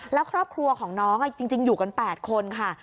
แล้วครอบครัวของน้องจริงอยู่กัน๘คนค่ะ